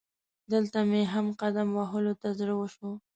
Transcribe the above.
دلته مې هم قدم وهلو ته زړه وشو.